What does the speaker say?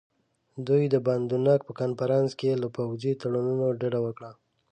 دوی د باندونک په کنفرانس کې له پوځي تړونونو ډډه وکړه.